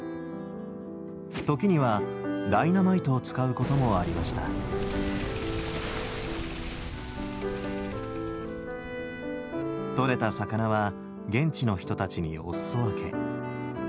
時にはダイナマイトを使うこともありました取れた魚は現地の人たちにお裾分け。